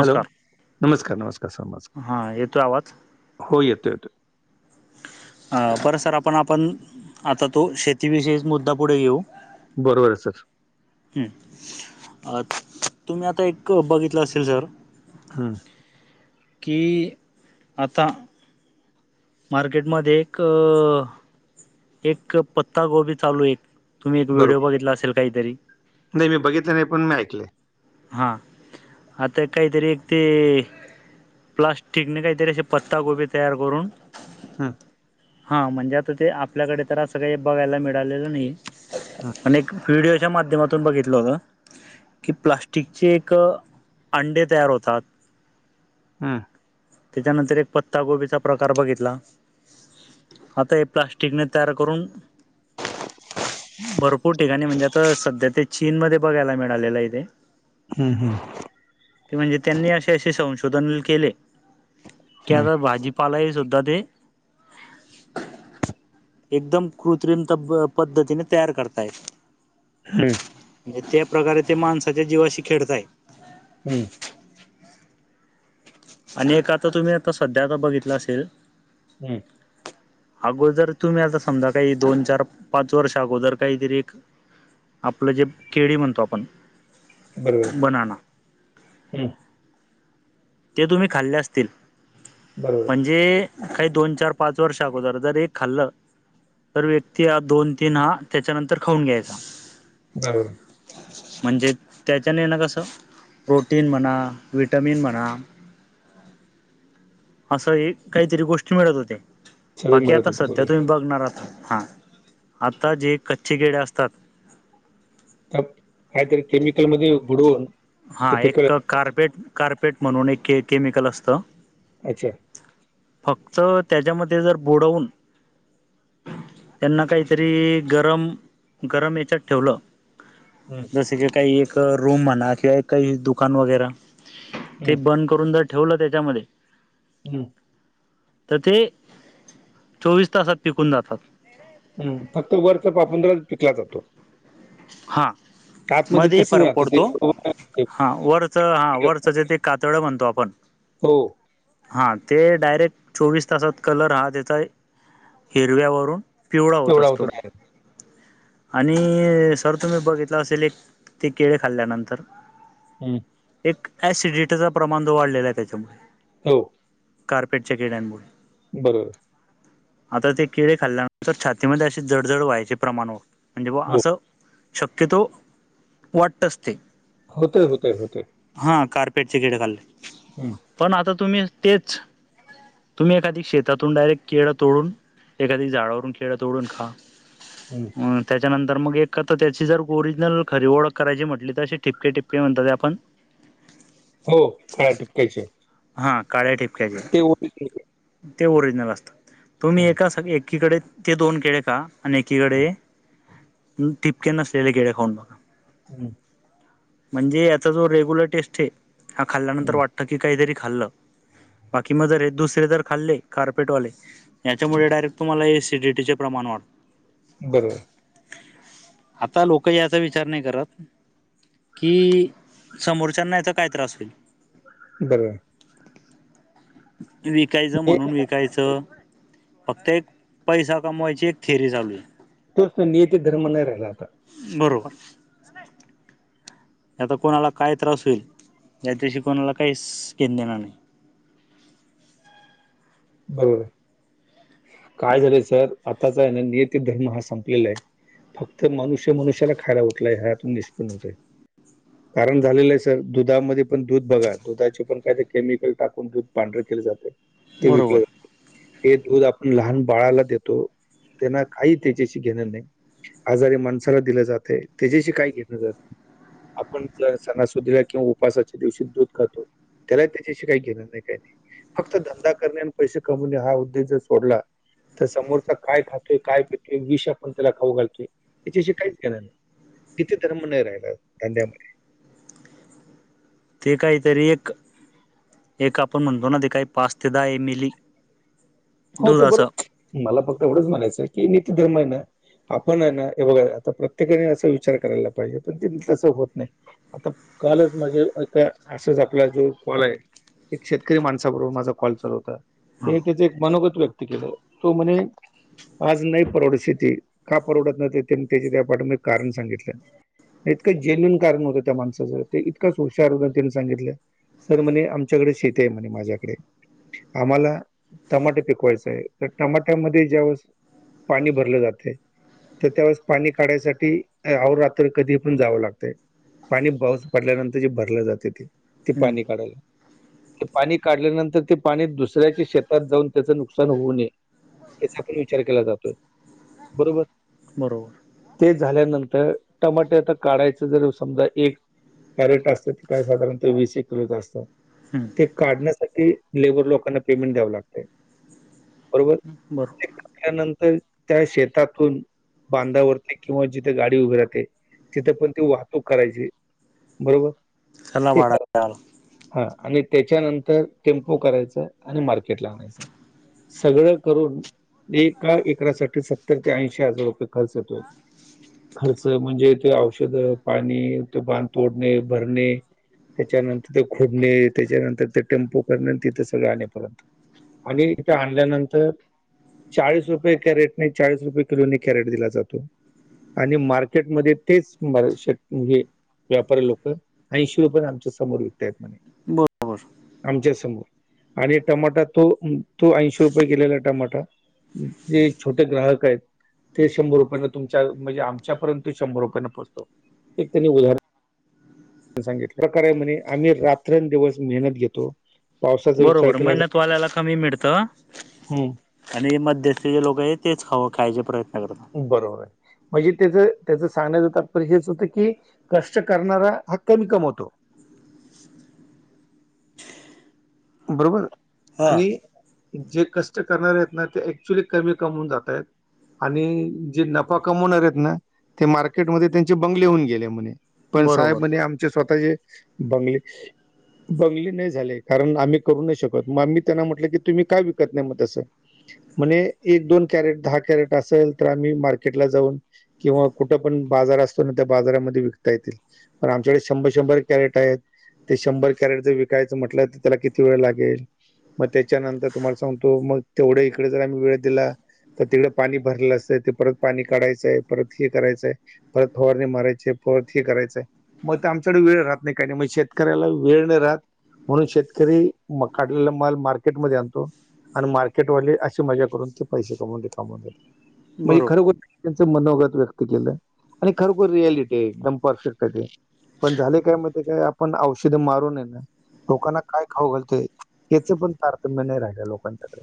Hello नमस्कार नमस्कार sir हां येतोय आवाज नमस्कार हो येतो येतो. पर सर आपण आपण आता तो शेतीविषयी मुद्दा पुढे घेऊ. बरोबर आहे सर. हम तुम्ही आता एक बघितलं असेल सर हम की आता मार्केटमध्ये एक एक पत्ता गोबी चालू तुम्ही एक व्हिडिओ बरोबर. बघितला असेल काहीतरी नाही मी बघितलं नाही पण मी ऐकले. हां आता काहीतरी एक ते प्लास्टिकनी काहीतरी असे गोबी तयार करून हम. हा म्हणजे आता ते आपल्याकडे तर असं काही बघायला मिळालेलं नाही. हं, आणि एक व्हिडिओच्या माध्यमातून बघितलं होत की प्लाट टिकचे एक अंडे तयार होतात हम. त्याच्यानंतर एक पत्ता गोबीचा प्रकार बघितला. आता हे प्लास्टिकने तयार करून भरपूर ठिकाणी म्हणजे आता सध्या ते चीनमध्ये बघायला मिळालेलं ते. हम्म हम्. कि म्हणजे त्यांनी असे असे संशोधन केले की हं, आता भाजी पालाही सुद्धा ते एकदम कृत्रिम त पद्धतीने तयार करताय. हम. म्हणजे त्या प्रकारे ते माणसाच्या जीवाशी खेळताय. हम्म. आणि एक आता तुम्ही आता सध्या आ बघितलं असेल. हम्. [unintelligible] अगोदर तुम्ही आता समजा काही दोन चार पाच वर्ष अगोदर काहीतरी एक आपलं जे केळी म्हणतो आपण. बरोबर बनाना हम् [unintelligible] ते तुम्ही खाल्ले असतील बरोबर [unintelligible] म्हणजे काही दोन चार पाच वर्ष अगोदर जर हे खाल्लं तर व्यक्ती हा दोन तीन हा त्याच्यानंतर खाऊन घ्यायचा. बरोबर. म्हणजे त्याच्याने ना कसं प्रोटीन म्हणा, विटमिन म्हणा. असं हे काहीतरी गोष्टी मिळत होते सगळं बाकी मिळत आता होतं सध्या बरोबर. तुम्ही बघ नर आता जे कच्चे केडे असतात तर काहीतरी केमिकलमध्ये बुडवून. हां ते पिकलं एक कार्पेट कार्पेट म्हणून एक के केमिकल असतं. अच्छा फक्त त्याच्यामध्ये जर बुडवून त्यांना काहीतरी गरम गरम याच्यात ठेवलं. हम्म जस की काही एक रूम म्हणा किंवा काही दुकान वगैरा ते हं, बन द करून जर ठेवलं त्याच्यामध्ये हम्म तर ते चोवीस तासात पिकून जातात. हम्म फक्त वरचा पापुंद्राच पिकला जातो. हा आतमध्ये मध्ये ही तसंच फरक राहतं ते पडतो. हा वरच हा वरच जे ते कातड म्हणतो आपण. हो हां ते डायरेक्ट चोवीस तासात कलर हा त्याचा हिरव्यावरून. पिवळा होत तेवढा असतो होतो डायरेक्ट. आणि हे जर तुम्ही बघितलं असेल एक ते केळे खाल्ल्यानंतर. हम्म एक ॲसिडिटीचा प्रमाण जो वाढलेलाय त्याच्यामुळे. हो कार्पेटच्या केळ्यांमुळे. बरोबर आता ते किळे खाल्ल्यानंतर छातीमध्ये अशे जडजड व्हायचे प्रमाण होत म्हणजे बवा हो. असं. शक्यतो वाटतच ते. होतय होतय होतय. हा कार्पेटचे केडे खाल्ले. हम्म पण आता तुम्ही तेच, तुम्ही एखादी शेतातून डायरेक्ट केळ तोडून. एखादी झाडावरून केळ तोडून खा. हम्म त्याच्यानंतर मग एक. कळत त्याची जर ओरिजनल खरी ओळख करायची म्हटली तर ठिपके ठिपके म्हणतात ते आपण हो काळया टिपक्याचे. हा काळ्या ठिपक्याचे ते ओरिजनल असतात. तुम्ही एका हं, एकासाकी एकीकडे ते दोन केळे खा आणि एकीकडे. टिपके नसलेले केळे खऊन बघा. हम्म म्हणजे याचा जो रेग्युलर टेस्ट ये हा खाल्ल्यानंतर हं, वाटत की काहीतरी. खाल्ल बाकी म जर हे दुसरे जर खाल्ले कारपेट वाले. हं. याच्यामुळे डायरेक्ट तुम्हाला ॲसीडीटीचे प्रमाण वाढ बरोबर आता लोकं याचा विचार नाय करत की समोरच्यांना याचा काय त्रास होईल. बरोबर विकायचं ने- म्हणून विकायचं. फक्त एक पैसा कमवायची एक थेअरी चालू आहे. तोच नियती धर्म नाय राहिला आता. बरोबर आता कोणाला काय त्रास होईल याच्याशी कोणाला काहीच घेण देण नाही. हो, काय झालंय सर आताच आहे ना, ते नियती धर्म हा संपलेला आहे. फक्त मनुष्य मनुष्याला खायला, उठलाय ह्यातून निष्पन होतंय. [inaudible] कारण झालेलं आहे सर दुधामध्ये पण दूध बघा दुधाचे पण काय तरी केमिकल टाकून दूध पांढर केल जात ते विकल बरोबर जाते. हे दूध आपण लहान बाळाला देतो, त्यांना काही त्यांच्याशी घेणं नाही. आजारी माणसाला दिलं जातंय, तेच्याशी काय घेण देण. आपण सणा सुदिला किंवा, उपासाच्या दिवशी दूध खातो. त्याला त्याच्याशी काय घेण नाही काय नाही फक्त धंदा करणे आणि पैसे कमवणे हा, उद्देश जर सोडला. तर समोरचा काय खातोय, काय पितोय विष आपण त्याला खाऊ घालतोय, हेच्याशी काहीच घेणं नाही. इथे धर्म नाही राहिला धंद्यामध्ये. ते काहीतरी एक, एक आपण म्हणतो ना ते काही पाच ते दहा एम एली. हो ते बरोबर मला फक्त एवढंच म्हणायचं की, निती धर्म आहे ना. आपण हेना हे बघा आता प्रत्येकाने असा विचार करायला पाहिजे, पण ते तसं होत नाही. आता कालच माझे एका असंच, आपला जो कॉल आहे. एक शेतकरी माणसाबरोबर माझा कॉल चालू होता हा ते तेचे. मनोगत व्यक्त केलं, तो म्हणे. आज नाही परवड शेती. का परवडत नाही ते तेचं, त्या पाठी माग कारण सांगितलेत. इतकं जेन्यून कारण होतं त्या माणसाचं, ते इतकं हुशार तेन सांगितलंय. सर म्हणे, आमच्याकडे शेती आहे म्हणे माझ्याकडे आम्हाला. टमाटे टिकवायचंय टमाट्यामध्ये ज्यावळेस, पाणी भरलं जाते. तर त्यावेळेस पाणी काढायसाठी अवोरात्र कधी पण जावं लागतय पाणी पाऊस पडल्यानंतर जे भरल जाते ते ते हम्म पाणी काढायला ते पाणी काढल्यानंतर ते पाणी दुसऱ्याच्या शेत शेतात जाऊन त्याचं नुकसान होऊ नये याचा पण विचार केला जातोय बरोबर बरोबर ते झाल्यानंतर टमाटे आता काढायचं जर समजा एक कॅरेट असतं ते काय साधारणतः वीस एक किलोचे असतात हू ते काढण्यासाठी लेबर लोकांना पेमेंट द्यावं लागत बरोबर बर ह्यानंतर त्या शेतातून बांधावरती किंवा जिथ गाडी उभी राहते तिथ पण ती वाहतूक करायची बरोबर चल ना वाढत्याल हा आणि त्याच्यानंतर टेम्पो करायचा आणि मार्केटला आणायचं सगळं करून एका एकरासाठी सत्तर ते ऐंशी हजार रुपये खर्च येतो खर्च म्हणजे ते औषध पाणी ते बांध तोडणे भरणे त्याच्यानंतर ते खोडणे त्याच्यानंतर ते टेम्पो करण तिथ सगळ आणि परत आणि तिथं आणल्यानंतर चाळीस रुपये कॅरेटने चाळीस रुपये किलोने कॅरेट दिला जातो आणि मार्केटमध्ये तेच [unintelligible] म्हणजे व्यापारी लोक ऐंशी रुपयान आमच्यासमोर विकतायेत बरोबर आमच्यासमोर आणि टमाटा तो तो ऐंशी रुपये गेलेला टमाटा जे छोटे ग्राहक आहेत ते शंभरने रुपया तुमच्या म्हणजे आमच्यापर्यंत शंभर रुपयांना पोचतो एक त्यांनी उदाहर सांगितलं प्रकार आहे म्हणे आम्ही रात्रं आन दिवस मेहनत घेतो. पावसाचा विचार बरोबर केला जातो मेहनत वाल्याला कमी मिळतं. हम्म, आणि हे मध्यस्थीचे लोक आहे तेच खाव खायचे प्रयत्न करता. बरोबर आहे. म्हणजे त्याच त्याच सांगण्याचं तात्पर्य हेच होतं की कष्ट करणारा हा कमी कमवतो बरोबर हा आणि जे कष्ट करणार आहेत ना ते ऍक्च्युली कमी कमवून जातायत आणि जे नफा कमवणार आहेत ना ते मार्केटमध्ये त्यांचे बंगले होऊन गेले म्हणे. पण साहेब बरोबर म्हणे आमचे स्वतः बंगले बंगले नाही झाले कारण आम्ही करू नाही शकत म आम्ही त्यांना म्हटलं की तुम्ही काय विकत नाही मग तसं? म्हणे एक दोन कॅरेट दहा कॅरेट असेल तर आम्ही मार्केटला जाऊन किंवा कुठं पण बाजार असतो ना त्या बाजारामध्ये विकता येतील. पण आमच्याकडे शंभर शंभर कॅरेट आहेत ते शंभर कॅरेट जर विकायचं म्हटलं तर त्याला कि ती वेळ लागेल मग त्याच्यानंतर तुम्हाला सांगतो मग तेवढं इकडे जर आम्ही वेळ दिला तर तिकडे पाणी भरले असतं ते परत पाणी काढायचंय परत हे करायचंय परत फवारणी मारायचे परत हे करायचंय. मग आमच्याकडे वेळ राहत नाही काही नाही मग शेतकऱ्याला वेळ नाही राहत म्हणून शेत करी मग काढलेला माल मार्केटमध्ये आणतो आणि मार्केटवाले अशी मजा करून ते पैसे कमवून देत कामवून देत म हे खरं बरोबर गो त्यांच मनोगत व्यक्त केलं आणि खरोखर रियालिटी आहे एकदम परफेक्ट आहे ते. पण झाले काय म ते काय आपण औषध मारून आहे ना लोकांना काय खाऊ घालतो याचं पण तारतम्य नाही राहिलं लोकांच्याकडे.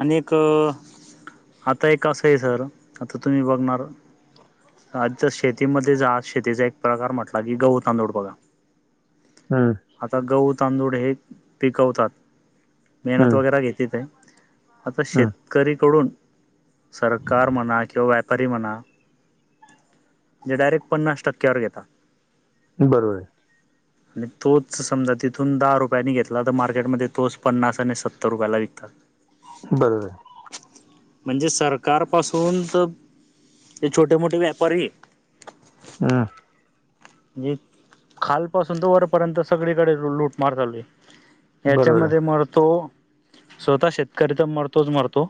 आणि एक आता एक असं आहे सर आता तुम्ही बघणार आजचा शेतीमध्ये जा शेतीचा एक प्रकार म्हटला की गहू तांदूळ बघा हं हम्म. आता गह तांदूळ हे पिकवतात मेहनत हम्म वगैरे घेतत आहे. आता हम्म शेतकरीकडून सरकार म्हणा किंवा व्यापारी म्हणा जे डायरेक्ट पन्नास टक्क्यावर घेता. बरोबर आहे. आणि तोच समजा तिथून दहा रुपयानी घेतला तर मार्केटमध्ये तोच पन्नास आणि सत्तर रुपयाला विकतात. बरोबर आहे. म्हणजे सरकारपासून तर ते छोटे मोठे व्यापारी हे. हम्म. म्हणजे खालपासून तर वरपर्यंत सगळी कडे लूटमार चालु आहे. बरोबर आहे याच्यामध्ये मरतो, स्वतः शेतकरी तर मरतोच मरतो.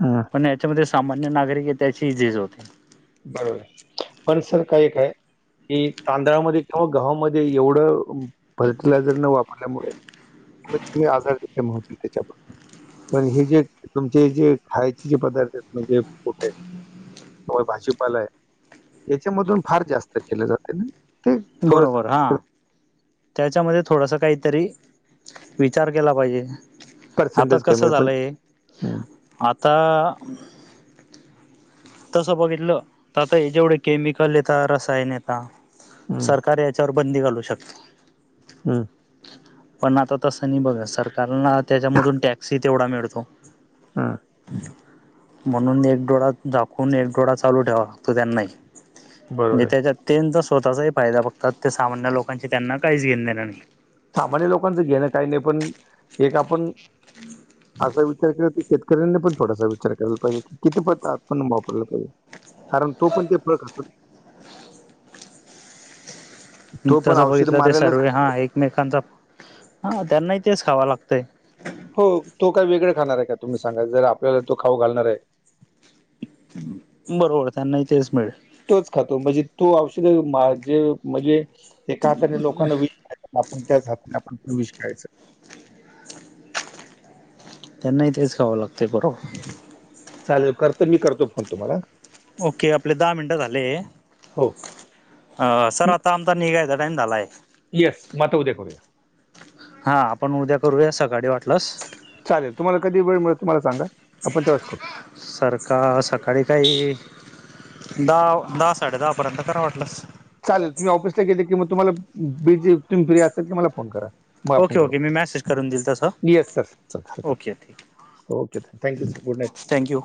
हा. पण याच्यामध्ये सामान्य नागरिक आहे, त्यांची ही झीज होते. बरोबर पण सर काय एकय. की तांदळामध्ये किंवा गव्हामध्ये, एवढं फर्टिलायझर न वापरल्यामुळे. कमीत कमी आजार किती कमी होतील. [unintelligible] पण हे जे तुमचे जे खायचे जे, पदार्थ आहेत म्हणजे कुठे. भाजीपाला आहे. त्यांच्यामधून फार जास्त केलं जात ना. ते बरोबर थोडंसं हां. त्यांच्यामध्ये थोडासा काहीतरी विचार केला पाहिजे. आता पर्सेंटेज कमी कसं आहे पण झालंय हं, आता. तसं बघितलं तर आता हे, जेवढे केमिकल येतात रसायन येता. हं, सरकार याच्यावर बंदी घालू शकत. हम. पण आता तसं नाही बघा, सरकारला त्यांच्यामधून टॅक्स तेवढा मिळतो. हं, म्हणून एक डोळा. दाखून एक डोळा चालू ठेवा, [unintelligible] म्हणजे बरोबर आहे. तेच्यात. त्यांच स्वतःचा फायदा बघतात ते, सामान्य लोकांचे त्यांना काही घेन देण नाही. सामान्य लोकांचं घेणं काही नाही, पण एक आपण. [inaudible] असा विचार केला तर शेतकऱ्यांनी पण थोडासा विचार करायला पाहिजे, किपत आपण वापरलं पाहिजे. कारण तो पण ते फळ खातात. [inaudible] तो पण तसं औषध बघितलं ते मारायलाच सर्वे हा, खातो. एकमेकांचा हा त्यांनाही तेच खाव लागतंय. हो तो काय वेगळं खाणार आहे का तुम्ही सांगा, जर आपल्याला तो खाऊ घालणार आहे. बरोबर त्यांनाही तेच मिळेल. तोच खातो. म्हणजे तो औषध जे म्हणजे, एका हाताने लोकांना विष आपण त्याचं हातानी आपण विष खायचं. त्यांना ही तेच खावं लागते बरोबर. चालेल करतो. मी करतो फोन तुम्हाला हां. ओके आपले दहा मिनटं झाले. हो ह सर आता आमचा निघायचा टाईम झालाय. येस म आता उद्या करूया. हा आपण उद्या करूया, सकाळी वाटलंस. चालेल तुम्हाला कधी वेळ तुम्हाला सांगा, आपण तेव्हाच करू. सर का सकाळी काही. दहा दहा साडे दहा पर्यंत करा वाटलंस. चालेल तुम्ही ऑफिसला गेले की मग, तुम्हाला बिझी तुम्ही फ्री असेल की मला फोन करा. मग आपण ओके करू, ओके मी मॅसेज करून देईल तसं येस सर हरकत नाही. ओके ठीक okay thank you sir good night. Thank you